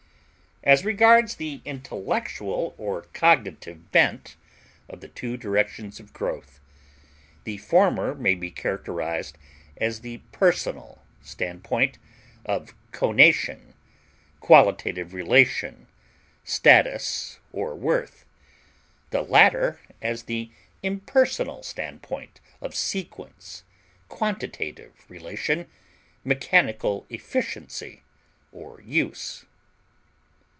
As regards the intellectual or cognitive bent of the two directions of growth, the former may be characterized as the personal standpoint, of conation, qualitative relation, status, or worth; the latter as the impersonal standpoint, of sequence, quantitative relation, mechanical efficiency, or use.